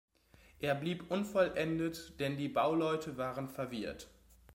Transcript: Er blieb unvollendet, denn die Bauleute waren verwirrt.